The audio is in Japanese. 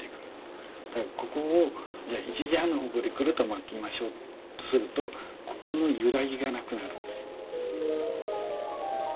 ここをじゃ１時半の方向でクルッと巻きましょうっとするとここの揺らぎが無くなるんですよ。